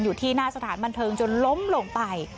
อยู่ที่หน้าสถานบันเทิงจนล้มลงไป